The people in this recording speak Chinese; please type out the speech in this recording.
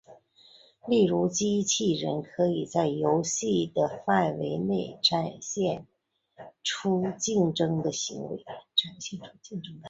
例如机器人可以在游戏的范围内展现出竞争的行为。